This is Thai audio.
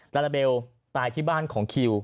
ลาลาเบลตายที่บ้านของคิว